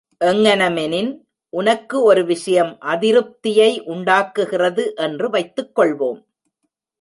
எங்ஙனமெனின், உனக்கு ஒரு விஷயம் அதிருப்தியை உண்டாக்குகிறது என்று வைத்துக்கொள்வோம்.